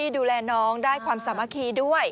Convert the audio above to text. ดูแลน้องได้ความสามัคคีด้วย